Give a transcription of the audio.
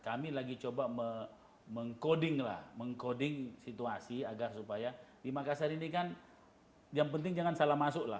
kami lagi coba mengkoding situasi agar supaya di makassar ini kan yang penting jangan salah masuk lah